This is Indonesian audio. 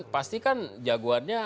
pasti kan jagoannya